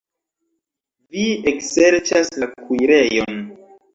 Vi ekserĉas la kuirejon.